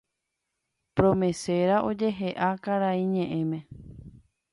promesera oje'eha karai ñe'ẽme